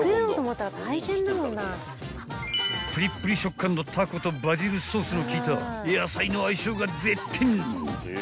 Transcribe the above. ［プリプリ食感のタコとバジルソースの効いた野菜の相性が絶品］